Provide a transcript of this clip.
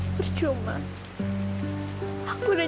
permisi ya dek